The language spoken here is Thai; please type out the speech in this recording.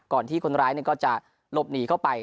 ที่คนร้ายก็จะหลบหนีเข้าไป